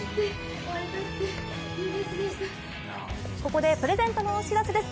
ここでプレゼントのお知らせです。